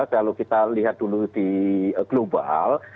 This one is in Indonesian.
kalau kita lihat dulu di global